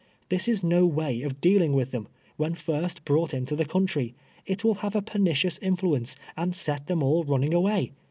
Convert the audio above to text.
''This is no Avay of dealing Avith them, Avhen first brought into the country. It Avill have a pernicious influence, and set them all run ning aAvay.